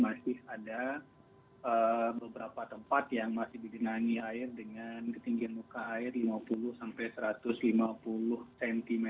masih ada beberapa tempat yang masih digenangi air dengan ketinggian muka air lima puluh sampai satu ratus lima puluh cm